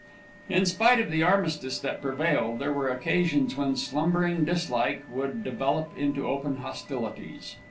In spite of the armistice that prevailed, there were occasions when slumbering dislike would develop into open hostilities.